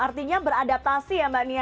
artinya beradaptasi ya mbak nia